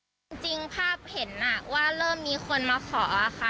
จริงจริงภาพเห็นอ่ะว่าเริ่มมีคนมาขออ่ะค่ะ